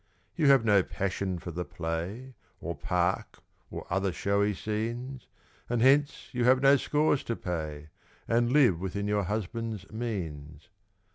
You have no passion for the play, Or park, or other showy scenes; And, hence, you have no scores to pay, And live within your husband's means.